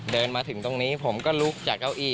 เดินมาถึงตรงนี้ผมก็ลุกจากเก้าอี้